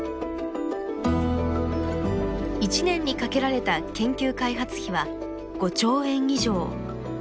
一年にかけられた研究開発費は５兆円以上。